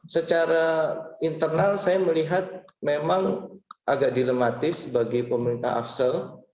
secara internal saya melihat memang agak dilematis bagi pemerintah afsel